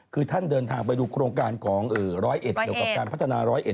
คือท่านเดินทางไปดูโครงการของร้อยเอชเขียบกับการพัฒนาร้อยเอช